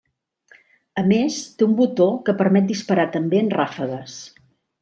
A més té un botó que permet disparar també en ràfegues.